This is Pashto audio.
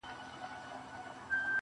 د قهر په وارونو کي کمبود هم ستا په نوم و